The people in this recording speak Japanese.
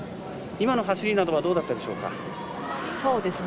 今の走りなどはどうだったでしょうか？